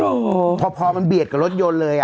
เร็วกว่าพอมันเบียดกว่ารถยนต์เลย